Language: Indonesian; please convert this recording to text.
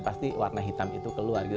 pasti warna hitam itu keluar gitu